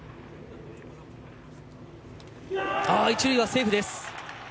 一塁セーフです。